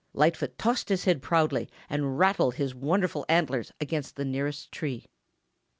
Lightfoot tossed his head proudly and rattled his wonderful antlers against the nearest tree.